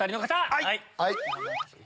はい。